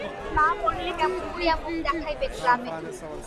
না মরিলে কেমন করিয়া মুখ দেখাইবেন গ্রামে?